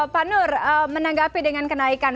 pak nur menanggapi dengan kenaikan